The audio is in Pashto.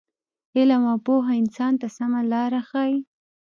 علم او پوهه انسان ته سمه لاره ښیي.